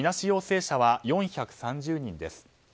陽性者は４３０人です。